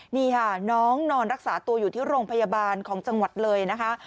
นี่ค่ะน้องนอนรักษาตัวอยู่ที่โรงพยาบาลของจังหวัดเลยนะคะ